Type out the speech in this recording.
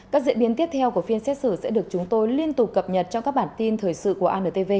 các diễn biến tiếp theo của phiên xét xử sẽ được chúng tôi liên tục cập nhật trong các bản tin thời sự của antv